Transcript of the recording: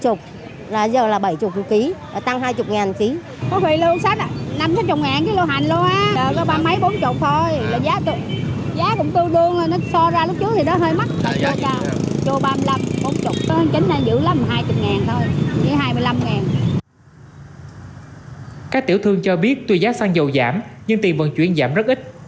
các tiểu thương cho biết tuy giá xăng dầu giảm nhưng tiền vận chuyển giảm rất ít